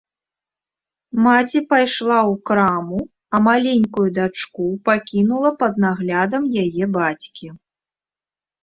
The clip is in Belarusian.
Маці пайшла ў краму, а маленькую дачку пакінула пад наглядам яе бацькі.